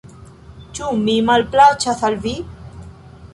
Ĉu mi malplaĉas al vi?